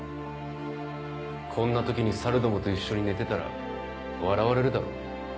こんな時に猿どもと一緒に寝てたら笑われるだろう。